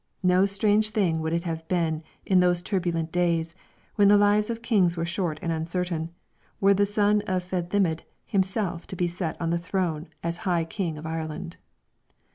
No strange thing would it have been in those turbulent days, when the lives of kings were short and uncertain, were the son of Fedhlimidh himself to be set on the throne as High King of Ireland.